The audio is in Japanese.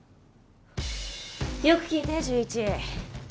よく聞いて潤一。